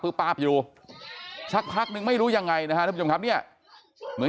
ปาบอยู่สักพักนึงไม่รู้ยังไงนะฮะท่านผู้ชมครับเนี่ยเหมือน